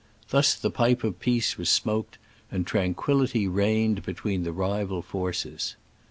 "Thus the pipe of peace was smoked, and tran quillity reigned between the rival forces.'